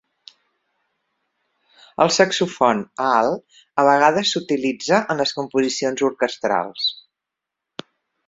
El saxofon alt a vegades s"utilitza en les composicions orquestrals.